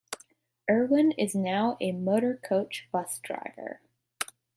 Irwin is now a motor coach bus driver.